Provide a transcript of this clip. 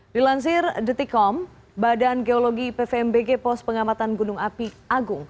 dilansir detikom badan geologi pvmbg pos pengamatan gunung api agung